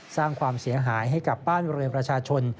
สร้างความเสียหายให้กับบ้านเรือนประชาชน